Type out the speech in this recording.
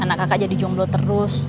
anak kakak jadi jomblo terus